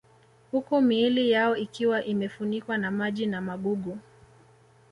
Huku miili yao ikiwa imefunikwa na maji na magugu